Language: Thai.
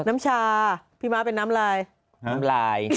น้ำชาพี่ม้าเป็นน้ำไหล่